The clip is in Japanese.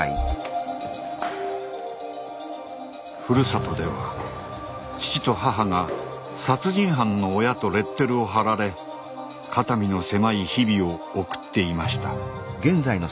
ふるさとでは父と母が「殺人犯の親」とレッテルを貼られ肩身の狭い日々を送っていました。